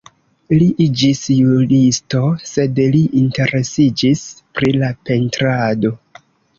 Li iĝis juristo, sed li interesiĝis pri la pentrado.